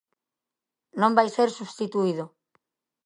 Non vai ser substituído.